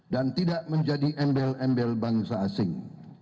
dan tidak menjadi embel embel bangsa asing